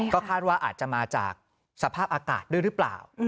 ก็คาดว่าอาจจะมาจากสภาพอากาศด้วยหรือเปล่า